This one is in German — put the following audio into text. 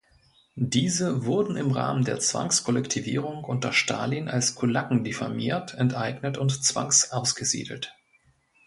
Diese wurden im Rahmen der Zwangskollektivierung unter Stalin als Kulaken diffamiert, enteignet und zwangsausgesiedelt.